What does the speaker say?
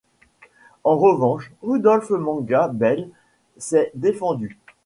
En revanche, Rudolf Manga Bell s'est défendu.